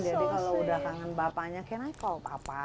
jadi kalau udah kangen bapaknya can i call papa